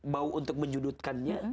mau untuk menjudutkannya